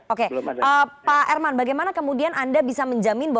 oke pak herman bagaimana kemudian anda bisa menjamin